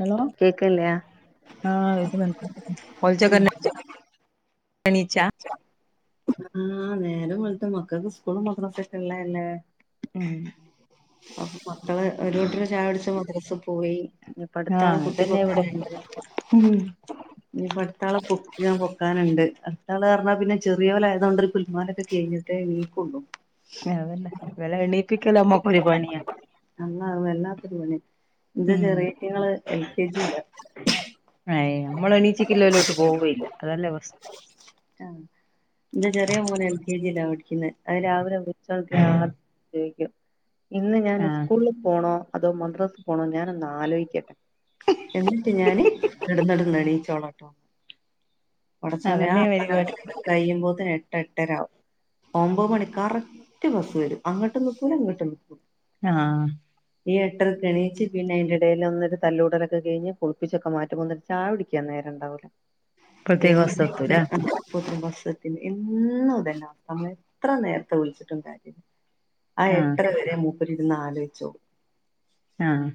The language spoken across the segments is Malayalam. ഹലോ കേക്ക്ൺല്ല്യാ ആഹ് കേൾക്കുന്ന് ഉണ്ട് എന്നീച്ച ആഹ് നേരം വെളുത്ത മക്കൾക്ക് സ്കൂളും മദ്രസ ഒക്കെ ഉള്ളത് അല്ലെ ഉം മക്കള് ഒരു കുട്ടര് ചായ കുടിച്ചിട്ട് മദ്രസക് പോയി ഇപ്പ അടുത്തള ആഹ് കുത്തി അതന്നെ ഇവിടെ പോക്കാനുണ്ട് ഇനിയിപ്പോ അടുത്താള കുത്തി പോക്കാനുണ്ട് അടുത്താള് പറഞ്ഞാ പിന്നെ ചെറിയൊൻ ആയതുകൊണ്ട് ഒരു പുൽമാലൊക്കെ കഴിഞ്ഞു ദേനീ കൊണ്ടു. അതന്നെ വെല എണ്ണി. ഓക്കൊരു പണിയ. അള്ളാ വല്ലാത്തൊരു പണി. ന്റെ ഉം ചെറിയീറ്റങ്ങള് എൽ കെ ജില. ഏയ്, നമ്മളെ നീച്ചക്കില്ലോലോട്ട് പോവുവെ ഇല്ല. അതല്ലേ വസ്. ആഹ്, ന്റെ ചെറിയ മോന് എൽ കെ ജിയില പ ചിന്നെ, അതി രാവിലെ വുൾച് ഒണത്തിയാ ആ [unintelligible] ഇന്ന് ഞാന് ആഹ് സ്കൂളിൽ പോണോ.? അതോ മദ്രാസ് പോണോ ഞാനൊന്ന് ആലോയിക്കട്ടെ. എന്നിട്ട് ഞാന്. കടന്ന് കടന്ന് എണീച്ചോളം ആയിട്ടും പടച്ചോനെ ആ അതന്നെ പരിപാടി [unintelligible] കയുമ്പോത്തിന് എട്ട് എട്ടരാവും. ഒമ്പത് മണി ക്കറക്റ്റ് ബസ്സ് വരും. അങ്ങട്ടും നിക്കൂല. ഇങ്ങട്ടും നിക്കൂല ആഹ്. ഈ എട്ടൻ എണീച്ച് പിന്നയിന്റെ ടേലൊന്നൊരു തല്ലൂടലൊക്കെ കഴിഞ്ഞ് കുളിപ്പിച്ചൊക്കെ മാറ്റി. ട്ട്പോന്ന് ചായുടിക്കാ നേരണ്ടാവൂല. ഇപ്പഴത്തേക്ക് ബസ് എത്തൂലേ [unintelligible] പു [unintelligible] വർശത്തിന് എന്നും ഇതന്ന [unintelligible] എത്ര നേരത്തെ വിളിച്ചിട്ടും കാര്യല്ല. ആ ആഹ് എട്ടരവരെ മൂപ്പര് ഇരുന്ന് ആലോയിച്ചോളു ആഹ്.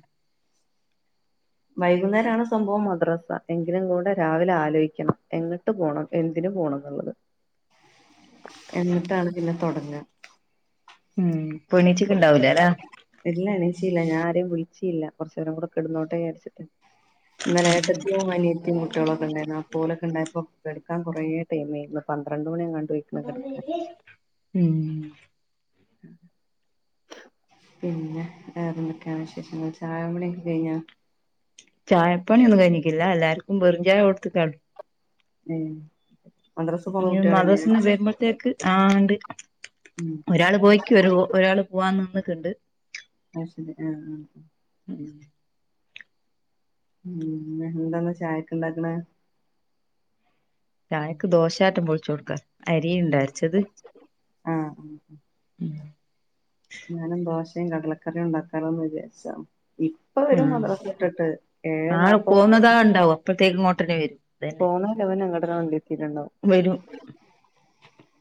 വൈകുന്നേരാണ് സംഭവം മദ്രസ. എങ്കിലും കൂടെ രാവിലെ ആലോയിക്കണം എങ്ങ് ട്ട് പോണം എന്തിനു പോണം ന്നുള്ളത്. എന്നിട്ടാണ് പിന്നെ തൊടങ്ങ. ഉം, പ്പണീച്ചക്ക്ണ്ടാവൂലല്ലേ. ഇല്ല, എണീച്ചീല്ല ഞാ ആരെയും വിളിച്ചീല്ല. കൊറച്ചേരം കൂടെ കിടന്നോട്ടേ ചാര്ച്ചിട്ട്. ന്നലെ ഏട്ടത്തിയും അനിയ. ത്തിം കുട്ടിയളൊക്കെണ്ടായിനു. അപ്പോലൊക്കെണ്ടായപ്പോ കെടക്കാൻ കൊറേ ടൈം ആയി. പന്ത്രണ്ട് മണിയങ്ങാണ്ട് ആയി. [inaudible] ഉം പിന്നെ വേറെന്തക്കാണ് വിശേഷങ്ങൾ, ചായകുടിക്കെ കഴിഞ്ഞാ. ചായപ്പണിയൊന്നും കഴിഞ്ഞിട്ടില്ല. എല്ലാർക്കും വെറും ചായ കൊടുത്തിക്കാണ്. ഉം ഞ് മദർസ്ന്ന് വെരുമ്പഴത്തേക്ക് ആണ്ട് ഉം ഒരാള് പോയി. ക്ക് ഒരു ഒരാള് പോവാനിന്ന്ക്ണ്ട്. അയ് ശരി ആ. [unintelligible] ഉം, ന്ന് എന്തന്ന് ചായക്ണ്ടാക്ണ?. ചായക്ക് ദോശാട് പൊളിച്ചുടുക്കാ, അരി ഉണ്ടോ അരച്ചത്.? ആഹ് ആഹ് [unintelligible] ഞാനും ദോശേം കടലക്കറിം ഉണ്ടാക്കാലോന്ന് വിചാരിച്ചതാ. ഇ ഇപ്പവരും ഉം മദ്റസ്ട്ട്ട്ട്. ഏഴേ നാപ്പ. അതാ ഉണ്ടാവും അപ്പോഴത്തേക്കുംങ്ങോട്ടനെ വരും. അതന്നെ പോന്നേന്റെ മുന്നെ ഇങ്ങട്ടന്നെ മണ്ടിയത്തിട്ടുണ്ടാവും. വരും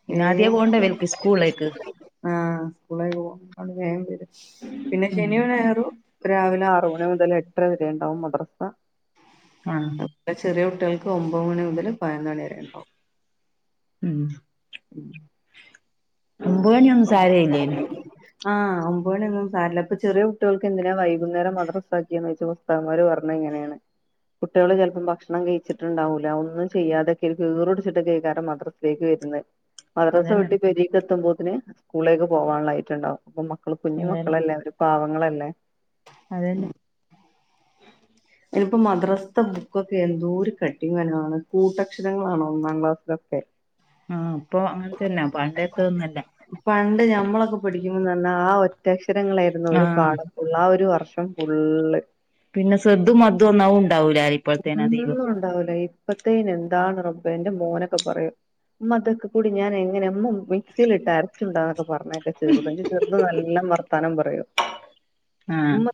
പിന്നെ ആദ്യേ പോണ്ടേ വര്ക്ക് സ്കൂൾലേക്ക്. ആഹ് സ്കൂളേക്പോക, വേം വരും., പിന്നെ ഉം ശനിയും ഞായറും രാവിലെ ആറ് മണി മുതല് എട്ടര വരെണ്ടാവും മദ്രസ. ആഹ്. ന്റെ ചെറിയ കുട്ടിയേൾക്ക് ഒമ്പത് മണി മുതല് പതിനൊന്ന് മണി വരെണ്ടാവും. ഉം [unintelligible] ഒമ്പണിയൊന്നും സാരയില്ലേനു ആഹ്, ഒമ്പേണി ഒന്നും സാരല്ല. ഇപ്പൊ ചെറിയ കുട്ടിയൾക്ക് എന്തിനാ വൈകുന്നേരം മദ്റസ്സാക്കിയാ നോയ്ച്ചപ്പ. സ്താമാര് പറഞ്ഞത് ഇങ്ങനെണ്. കുട്ടിയള് ചെലപ്പം ഭക്ഷണം കഴിച്ചിട്ടുണ്ടാവൂല ഒന്നും ചെയ്യാതൊക്കെര്‌ക്ക് ഈറടിച്ട്ടെക്കൈകാരം മദ്റ. ലേക്ക് വരുന്നേ. മദ്രസ അതന്നെ വിട്ട് പെരീക്ക് എത്തുമ്പോത്തിന് സ്കൂളേക്ക് പോകാനുള്ളായിട്ടുണ്ടാവും, അപ്പൊ മക്കള് കുഞ്ഞു അതന്നെ മക്കളല്ലേ അവരും പാവങ്ങളല്ലേ അതന്നെ ഇതിപ്പോ മദ്രസ്ത്തെ ബുക്കൊക്കെ എന്തോരു കട്ടിം കനോം ആണ്, കൂട്ടക്ഷരങ്ങളാണ് ഒന്നാം ക്ലാസ്സിലൊക്കെ ആഹ് ഇപ്പൊ അങ്ങനതന്നെ, പണ്ടത്തൊന്നല്ല പണ്ട് ഞമ്മളൊക്കെ പഠിക്കുമ്പോൾ നല്ല ആ ഒറ്റക്ഷരങ്ങളായിരുന്നു ഒരു ആഹ് പാഠം ഫുൾ ആ ഒരു വർഷം ഫുള്ള് പിന്നെ സെദ്ധും മന്ദൊന്നവു ഇണ്ടാവൂലാരിം ഒന്നും ഉണ്ടാവൂല ഇപ്പത്തേന എന്താണ് റബ്ബേ എന്റെ മോനൊക്കെ പറയും. ഉമ്മ അതൊക്കെ കൂടി ഞാൻ എങ്ങനെ ഉമ്മ മിക്സിൽ ഇട്ട് അര ച്ചുണ്ട [unintelligible] ക്കെ പറഞ്ഞേക്ക ചെറുത്. ന്റെ ചെറുത് നല്ലോം വർത്താനം പറയും. ആഹ് ഉമ്മ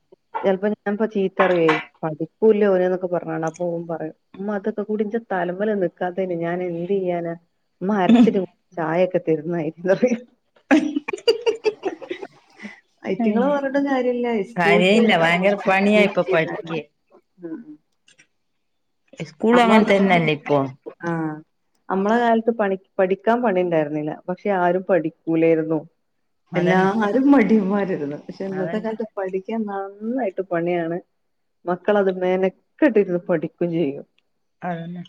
ചിലപ്പോ ഞാനിപ്പോ ചീത്ത റിയേ, പഠിക്കൂല്ല ഓല്ന്നൊക്കെ പറഞ്ഞ ആണ് അപ്പോ ഓ പറയാ ഉമ്മാ തൊക്കെകൂടി ൻ്റെ തലമ്മല് നിക്കാത്തേന് ഞാനെന്തയ്യാനാ. ഇമ്മ അരച്ചിട്ട് ചായൊക്കെ തരുന്നായിരിക്കുന്നറിയാ ഐറ്റിങ്ങള് പറഞ്ഞിട്ട് കാര്യമില്ല. [inaudible] കാര്യയില്ല ഭയങ്കര പണിയാ ഇപ്പൊ പഠിക്ക് [inaudible] സ്കൂളും അങ്ങൻ തന്നെയല്ലേ ഇപ്പൊ ആഹ് നമ്മളെ കാലത്ത് പണി പഠിക്കാൻ പണി ഉണ്ടായിരുന്നില്ല പക്ഷെ ആരും പഠിക്കൂലായിരുന്നു. അതന്നെ എല്ലാവരും മടിയമായിരുന്നു പക്ഷെ ഇന്നത്തെ അതന്നെ കാലത്ത് പഠിക്കാൻ നന്നായിട്ട് പണിയാണ്, മക്കളത് മേനക്കെട്ടിരുന്ന് പഠിക്കുകയും ചെയ്യും. അതന്നെ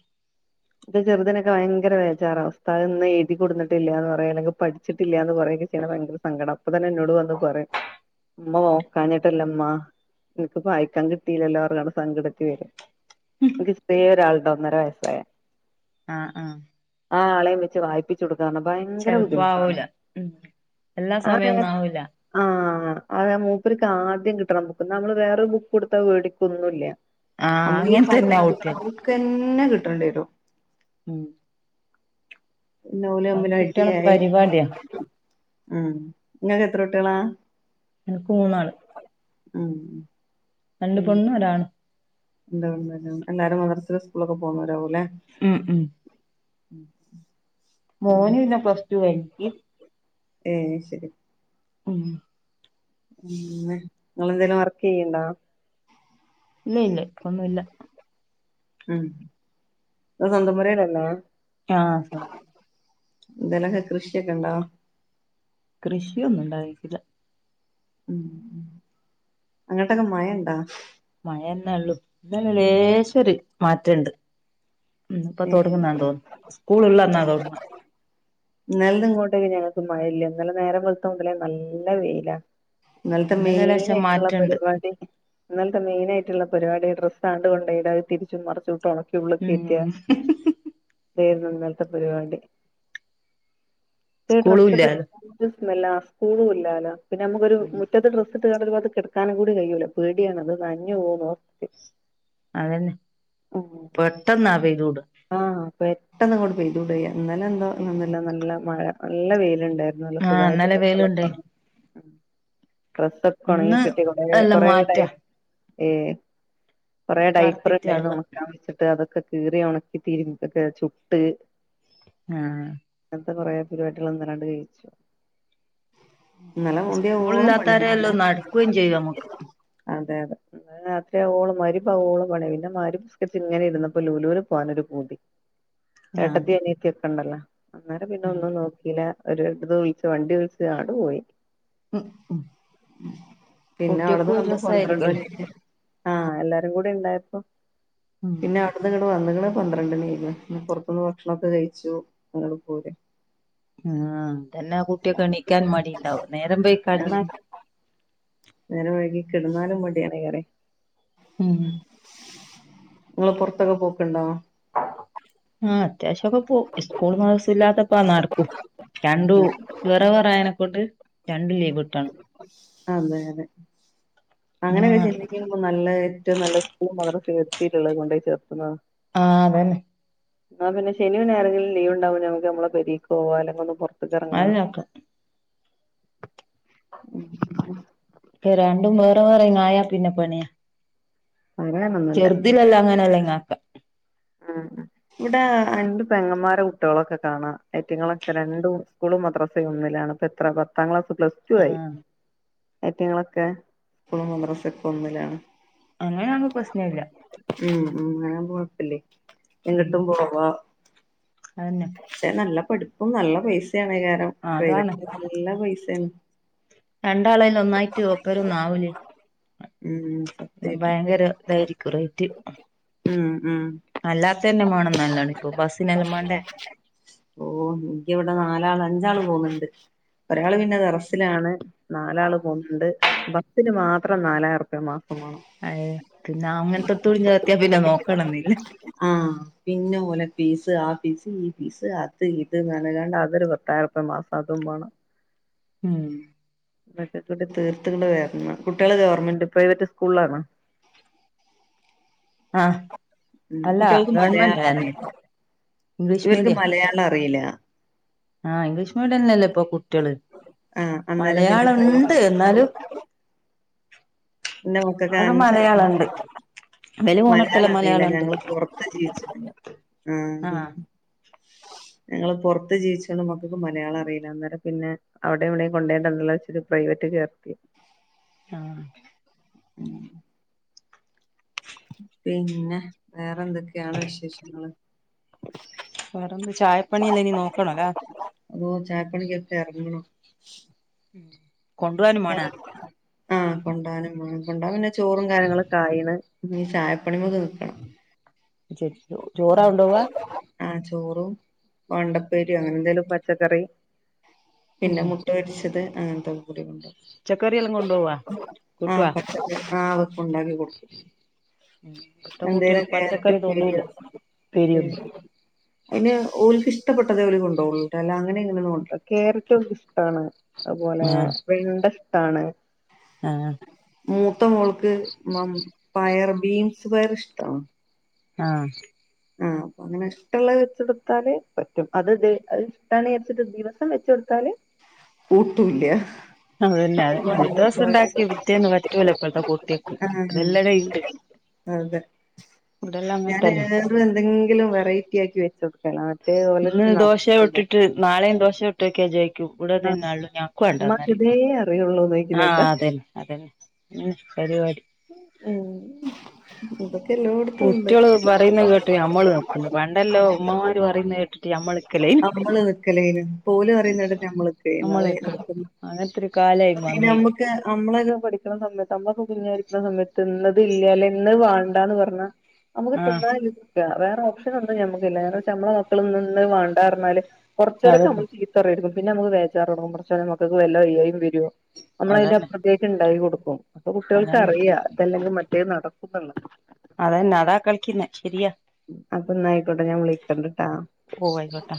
എൻ്റെ ചെറുതിനൊക്കെ ഭയങ്കര വേചാറാ, ഉസ്താദ് ഇന്ന് എഴുതി കൊണ്ടുന്നിട്ടിലാന്ന് പറയാനൊക്കെ, പഠിച്ചിട്ടില്ല എന്ന് പറയാനൊക്കെയാണ് ഭയങ്കര സങ്കടം അപ്പ തന്നെ എന്നോട് വന്ന് പറയും ഉമ്മ നോക്കാഞ്ഞിട്ടല്ലുമ്മ എനിക്ക് വായിക്കാൻ കിട്ടീലല്ലോന്ന് പറഞ്ഞങ്ങട് സങ്കടത്തിൽ വരും. വേറെ ഒരാളുണ്ട് ഒന്നര വയസ്സായ ആഹ് ആഹ് ആ ആളെയും വെച്ച് വായിപ്പിച് ച്ചൊട്ക്കർഞ ഭയങ്കര ചെലപ്പോ ബുദ്ധിമുട്ടാണ് ആവൂല ഉം എല്ലാ സമയൊന്നും ആർക്കങ്ങനെ ആവൂല ആഹ് അതേ മൂപ്പർക്ക് ആദ്യം കിട്ടണം ബുക്ക് നമ്മൾ വേറൊരു ബുക്ക് കൊടുത്താ വേടിക്കൊന്നുമില്ല. ആഹ് നമ്മൾ ഈ അങ്ങനെ പറഞ്ഞു തന്നെയാ കൊടുക്കണ കുട്ടികള് ബുക്കെന്ന കിട്ടേണ്ടി വരും. ഉം ന്നെ ഓല് അത് തമ്മിൽ കുട്ടികളെ അടിയായി പരിപാടിയാ ഉം നിങ്ങൾക്ക് എത്ര കുട്ടികളാ എനിക്ക് മൂന്നാള് ആഹ് ഉം രണ്ട് പെണ്ണും ഒരാണും എന്ത ഉണ്ട് എല്ലാ എല്ലാവരും മദ്രസലും സ്കൂളിലൊക്കെ പോകുന്നവരാവൂല്ലേ. ഉം ഉം [inaudible] മോൻ പിന്നെ പ്ലസ്ടു കഴിഞ്ഞിട്ട് ഏഹ് ശരി ഉം ഉം നിങ്ങൾ എന്തേലും വർക്ക് ചെയ്യുന്നുണ്ടോ ഇല്ല ഇല്ല ഒന്നുമില്ല ഉം സ്വന്തം പൊരീലന്നേ ആ രസണ്ട് എന്തങ്കിലൊക്കെ കൃഷിയൊക്കെ ഉണ്ടോ കൃഷിയൊന്നും ഉണ്ടായിരിക്കില്ല ഉം ഉം അങ്ങോട്ടൊക്കെ മഴയുണ്ടോ മഴ തന്നെ ഉള്ളൂ ഇന്നലേ ലേശം ഒരു മാറ്റമുണ്ട് ഇന്നിപ്പോ ഏ തൊടങ്ങുന്നണ്ടോ സ്കൂൾ ഉള്ളന്നാ തൊടങ്ങാ ഇന്നലെന്ന് ഇങ്ങോട്ടേക്ക് ഞങ്ങക്ക് മഴയില്ല, ഇന്നലെ നേരം വെളുത്ത മുതലേ നല്ല വെയിലാ ഇന്നലത്തെ ഇന്നലെ മെയിൻ ലേശം ആയിട്ടുള്ള മാറ്റണ്ട് പരിപാടി ഇന്നലത്തെ മെയിനായിട്ടുള്ള പരിപാടി ഡ്രസ് ആണ്ട് കൊണ്ടയിടാ അത് തിരിച്ചും മറച്ചും ഇട്ട് ഉണക്കി ഉള്ളിൽ ഉം കയറ്റാ ഇതായിരന്ന് ഇന്നലെത്തെ പരിപാടി. ഈ സ്കൂളും ഡ്രെസ്സൊക്കെ ഇല്ലാലോ സ്‌മെല്ലാ സ്കൂളും ഇല്ലാല്ല പിന്നെ നമുക്കൊരു ഉം മുറ്റത്ത് ഡ്രെസ് ഇത് ഇട്ടിട്ട് ഒരു ഭാഗത്ത്‌ കെടക്കാനും കൂടി കഴിയൂല്ല പേടിയാണ് ഇത് നനഞ്ഞുപോകോന്ന് അതന്നെ പെട്ടെന്നാ പെയ്തുടാ ആഹ് പെട്ടെന്ന് അങ്ങോട്ട് പെയ്തൂട ഇന്നലെ എന്തോ ഇന്ന് നല്ല മഴ നല്ല വെയിലുണ്ടായി നല്ല ആഹ് സുഖായിട്ട് ഇന്നലെ വെയിലുണ്ടേ [unintelligible] ഡ്രസ് ഒക്ക ഉണങ്ങി ഇന്ന് കിട്ടി കൊറ നല്ല കൊറ ഇണ്ടാർന്ന മാറ്റാ ഏ കുറെേ ഇന്ന് ഡൈപ്പർ കറുത്തിട്ടാ ഉണ്ടായിന്ന് ഉള്ളെ ഉണക്കാൻ വെച്ചിട്ട് അതൊക്കെ കീറി ഉണക്കി തീയിലിട്ട് ചുട്ട് ആഹ് അങ്ങനത്തെ കുറെ പരിപാടികൾ അങ്ങനെ അങ്ങോട്ട് കഴിയിച്ചു ഇന്നലെ മോന്തി ആവോളം പണി ആയിരുന്ന് സ്കൂളില്ലാത്തവരെല്ലാം നടക്കുകയും ചെയ്യും നമുക്ക് അതെ അതെ രാത്രിയാവോളം മഹരിബ് ആവോളം പണിയേക്കാരം മഹരിബ് നിസ്കരിച്ചു കഴിഞ്ഞപ്പോ ലൂലൂല് പോകാനൊരു പൂതി ആഹ് ഏട്ടത്തി അനിയത്തി ഒക്കെ ഉണ്ടല്ലോ അന്നേരം പിന്നെ ഒന്നും നോക്കില്ല വണ്ടി വിളിച്ച അങ്ങാട് പോയി ഉം ഉം പിന്നെ അവിടെന്ന് കുട്ടികൾക്കും ഒരു വന്നത് പന്ത്രണ്ട് മണി രസായിരിക്കുവല്ലോ ആയിക്കുന്ന് ആഹ് എല്ലാരും കൂടി ഉണ്ടായപ്പോ ഉം പിന്നെ അവിടുന്ന് ഇങ്ങടെ വന്നപ്പോ പന്ത്രണ്ട് മണി ആയിക്കണ്ണ് പുറത്തു വന്ന് ഭക്ഷണക്കെ കഴിച്ചു അങ്ങട് പൊന്നു ആഹ് തന്നെ ആഹ് കുട്ടിയൊക്കെ എണിക്കാൻ മടി ഉണ്ടാവും നേരം വൈകി കെടന്നാ നേരം വൈകി കിടന്നാലും മടിയാണെന്ന് പറയാ ഉം നിങ്ങള് പൊറത്തൊക്കെ പോക്ക്ണ്ടോ ആഹ് അത്യാവശ്യമൊക്കെ പോകും സ്കൂൾ മദ്രസ ഇല്ലാത്തിസമൊക്കെ ഇപ്പ നടക്കും രണ്ടു വേറെ വേറയനെക്കോട്ട് രണ്ടു ലീവട്ട് അതെ അതെ അങ്ങനെ അങ്ങനെയൊക്കെ നടക്കും ചിന്തിക്ക നല്ല ഏറ്റവും നല്ല സ്കുളിലും മദ്രസിലും കൊണ്ടയി ചേർക്കുന്നത് ആഹ് അതന്നെ ആഹ് പിന്നെ ശനിയും ഞായറും എൻകിലും ലീവ് ഉണ്ടാകുല്ലോ നമ്മക്ക് നമ്മള്ടെ പെരിയ്ക് പോകാൻ [unintelligible] [inaudible] രണ്ടും വേറെ വേറെങ്ങായാ പിന്നെ പണിയാ പറയാനൊന്നുമല്ല ഇതിലല്ലാം അങ്ങനെയല്ലെങ്ങാക്ക ആഹ് ആഹ് ഇവിടെ രണ്ട് പെങ്ങന്മാര കുട്ടികളൊക്കെ കാണാം അയിന്റങ്ങളൊക്കെ രണ്ടും സ്കൂളും മദ്രാസയും ഒന്നിലാണ് എത്ര പത്താം ക്ലാസ്സ്‌ പ്ലസ് ടു ആഹ് ഐറ്റിങ്ങളൊക്കെ സ്കൂളും മദ്രസ ഒക്കെ ഒന്നിലാണ് അങ്ങനെ ആണെകിൽ പ്രശ്നം ഇല്ലാ ഉം ഉം അങ്ങനാവുമ്പോൾ കൊഴപ്പില്ലേ ഉം എങ്ങോട്ടും പോവാ അതന്നെ പക്ഷെ നല്ല പഠിപ്പും നല്ല പൈസാനേക്കാരം ആഹ് അതാണ് പ്രൈവറ്റ് നല്ല പൈസയാണ് രണ്ടാലെയായിട് ഒന്നായിട്ട് ഒപ്പരം ഒന്നാവൂലെ ഉം പിന്നെ സത്യായിട്ടും ഭയങ്കര ഇതായിരിക്കും റേറ്റ് ഉം ഉം അല്ലാത്ത തന്നെ വേണം നല്ലതാണ് ഇപ്പൊ ബസ്സിനെല്ലാം വേണ്ടേ ഓ എനിക്കിവിടെ നാലാള് അഞ്ചാള് പോന്നുണ്ട് ഒരാൾ പിന്നെ മദറസിലാണ് നാലാള് പോന്നുണ്ട് ബസിന് മാത്രം നാലായിരം വേണം അയെ പിന്നെ അങ്ങനത്തെ ഒത്തടി ചത്തിയാ പിന്നെ നോക്കണന്നില്ല. ആഹ് പിന്നെ ഓലെ പീസ് ആഹ് ഫീസ് ഈ ഫീസ് അത് ഇത് നനകാണ്ട് അതൊരു പത്തായിരം രൂപ മാസം അതും വേണം ഉം [unintelligible] [unintelligible] കുട്ടികൾ ഗവൺമെന്റ് പ്രൈവറ്റ് സ്കൂളാണ്. ആഹ് ഉം അല്ല കുട്ടികൾക്ക് ഗവൺമെന്റ് മലയാളം അല്ല അറിയില്ല ഇംഗ്ലീഷ് ഇവർക്ക് മീഡിയം. മലയാളം അറിയില്ല. ആഹ് ഇംഗ്ലീഷ് മീഡിയം തന്നെയല്ലോ ഇപ്പോ കുട് ട്ട്യള്. ആഹ് അന്നേരം പിന്നെ മലയാളണ്ട് ന്നാലും ഇന്റെ മകക്ക് ആനാണ് ചെർപ്പം ഉണ്ട് ഇവല് മലയാളം പോണടത്തെല്ലാം അറിയില്ല. ഉണ്ട് ഞങ്ങള് പൊറത്താ ജീവിച്ചതൊക്കെ. ഉം ഉം. ആഹ് ഞങ്ങള് പൊറത്ത് ജീവിച്ചതും മക്കക്ക് മലയാളം അറിയില്ല. അന്നേരം പിന്നെ അവിടെയും ഇവിടെയും കൊണ്ടോണ്ടല്ലോച്ചിട്ട്‌ പ്രൈവറ്റി ചേർത്തി. ആഹ്. ഉം പിന്നെ, വേറെന്തൊക്കെയാണ് വിശേഷങ്ങള്? വേറെന്ത്? ചായപ്പണിയല്ലൊ ഇനി നോക്കണല്ലേ? അതോ ചായപ്പണിക്കൊക്കെ എറങ്ങീനൊ? ഉം. കൊണ്ട് പോവാനും മേണാ? ആഹ് കൊണ്ടാവാനും മേണം. കൊണ്ടാവാൻ പിന്നെ ചോറും കാര്യങ്ങളൊക്കെ ആയിണ്. ഇനി ചായപ്പണിയാക്കെ നോക്കിയാ ചോറാ കൊണ്ടോവാ? ആഹ് ചോറും, വെണ്ടപ്പേരിയോ അങ്ങനെ എന്തേലും പച്ചക്കറി പിന്നെ ഉം മുട്ട പൊരിച്ചത് അങ്ങനത്തൊക്കെ കൂടി കൊണ്ടോവും. പച്ചക്കറിയെല്ലാം കൊണ്ടോവാ ആഹ് കൂട്ടുവാ പ ആഹ് അതൊക്കെ ഉണ്ടാക്കി കൊടുക്കും. ഇവിടുത്തെ കുട്ടികൾ എന്തേലും കാരറ്റ് പച്ചക്കറി ഉപ്പേരിയോ തൊടൂല ഏഹ്? പെരിയൊന്നും അയിന് ഓല്ക്ക് ഇഷ്ടപ്പെട്ടതെ ഓല് കൊണ്ട്പോവുള്ളൂട്ടോ. അല്ല അങ്ങനെ ഇങ്ങനെയൊന്നും കൊണ്ടോവൂല. കാരറ്റ് ഒക്കെ ഇഷ്ടാണ്. അത്പോലെ ആഹ് വെണ്ട ഇഷ്ടാണ്. ആഹ് മൂത്ത മോൾക്ക് മം, പയർ ബീൻസ് പയർ ഇഷ്ടാണ്. ആഹ് ഉം. അങ്ങനെ ഇഷ്ടള്ളത് വെച്ച് കൊടുത്താല് പറ്റും. അതിത് അത് ഇഷ്ടാണ് വിചാരിച്ചിട്ട് ദിവസം വെച്ച് കൊടുത്താല് കൂട്ടൂല്ല. അതന്നെ അതന്നെ പിറ്റേദിവസം ഉണ്ടാക്കിയ പിറ്റേന്ന് പറ്റൂല ഇപ്പഴത്തെ കുട്ടിയക്ക് അതെല്ലടെണ്ട് അയ് ഈടെയെല്ലം അങ്ങൻതന്നെ. എന്തെങ്കിലും വെറൈറ്റി ആക്കി വെക്കും. ഇന്ന് ദോശ ചുട്ടിട്ട് നാളെയും ദോശ ചുട്ട് വയ്ക്കാൻ ചോയ് കൂട ആഹ് [unintelligible] ഞാക്കു ഇമ്മാക്ക് ഇതേ വേണ്ടാന്നറയും അറിയൊള്ളൂന്ന് ആഹ് ചോയിക്കുന്നേക്കാ അതന്നെ അതന്നെ ഉം പരിപാടി ഉം ഇതൊക്കെ എല്ലോടത്തുണ്ട്. കുട്ടികള് പറയുന്ന കേട്ട് നമ്മള് റ്റ് അമ്മൾക്ക് നമ്മള് നിക്കലേനും. ഓല് പറയ്ന്ന ഇപ്പൊ കേട്ടിട്ട് നമ്മള് നിക്കായ്യ്ന്ന്. നമ്മൾ അതാ ഈ നിക്കണം നടക്ക്ന്ന്. അങ്ങനത്തൊരു കാലായി വന്നേ നമ്മക്ക് അമ്മളെ ഇതു കൊട് സമയത്ത് നമ്മൊക്കെ കുഞ്ഞായിരിക്കണ സമയത്ത് ഇന്നത് ഇല്ല അല്ല ഇന്നത് വേണ്ടാന്ന് പറഞ്ഞാ നമ്മള് ആഹ് തിന്നാതിരിക്കാ. വേറെ ഓപ്ഷനൊന്നും ഞമ്മക്കില്ല. കാരണംച്ചാ നമ്മളെ മക്കളിന്ന് വേണ്ടാന്ന് പറഞ്ഞാല് കൊറച്ച് നേരൊക്കെ അതന്നെ നമ്മള് ചീത്തറയേരിക്കും. പിന്നെ നമ്മക്ക് ബേജാറ് തൊടങ്ങും, പടച്ചോനെ മക്കൾക്ക് വല്ല വയ്യായ്കയും വരുവോ നമ്മളയിന്റെ അതന്നെ അപ്പറത്തേക്ക് ഇണ്ടാക്കി കൊടുക്കും. അപ്പോ അതന്നെ കുട്ട്യേൾക്കറിയാം ഇതല്ലങ്കിൽ മറ്റേ നടക്കുന്നുള്ളത്. അതന്നെ അതാ കളിക്കുന്നെ ശരിയാ. അപ്പൊന്നായിക്കോട്ടെ ഞാൻ വിളിക്കണ്ടിട്ടാ ഓ ആയിക്കോട്ടെ